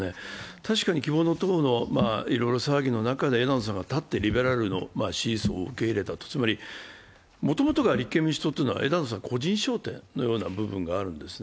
確かにいろいろな騒ぎの中で、枝野さんが立って、リベラルの支持層を受け入れた、つまりもともとが立憲民主党というのは枝野さんの個人商店のようなところがあるんですね。